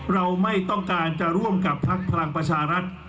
เราไม่ต้องการจะร่วมกับพักพลังประชารัฐ